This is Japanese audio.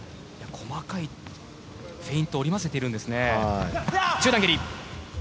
細かいフェイントを織り交ぜてるんですね。